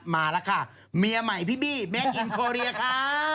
มาแล้วค่ะเมียใหม่พี่บี้เมคอินโคเรียค่ะ